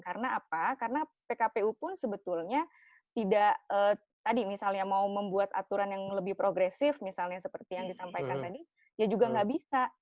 karena apa karena pkpu pun sebetulnya tidak tadi misalnya mau membuat aturan yang lebih progresif misalnya seperti yang disampaikan tadi ya juga tidak bisa